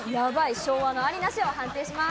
昭和のアリナシを判定します。